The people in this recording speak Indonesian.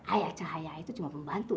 ayah cahaya itu cuma membantu